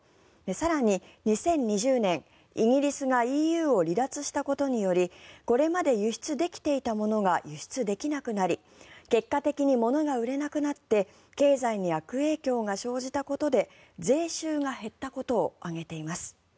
更に、２０２０年イギリスがＥＵを離脱したことによりこれまで輸出できていたものが輸出できなくなり結果的に物が売れなくなって経済に悪影響が生じたことで税収が減ったことを挙げています。